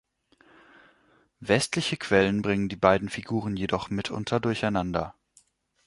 Westliche Quellen bringen die beiden Figuren jedoch mitunter durcheinander.